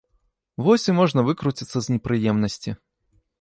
Вось і можна выкруціцца з непрыемнасці.